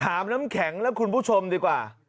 น้ำแข็งและคุณผู้ชมดีกว่า